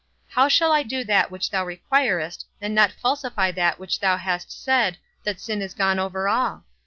How shall I do that which thou requirest, and not falsify that which thou hast said, that sin is gone over all?